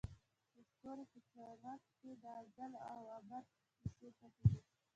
د ستوري په چمک کې د ازل او ابد کیسې پټې دي.